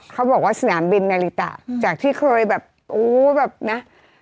เขาบอกว่าสนามบินนาริตะจากที่เคยแบบโอ้แบบนะ